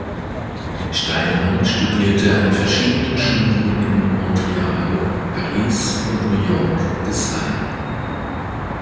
Steilmann studierte an verschiedenen Schulen in Montreal, Paris und New York Design.